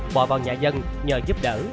bỏ vào nhà dân nhờ giúp đỡ